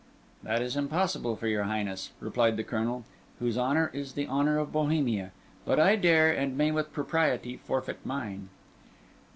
"That is impossible for your Highness," replied the Colonel, "whose honour is the honour of Bohemia. But I dare, and may with propriety, forfeit mine."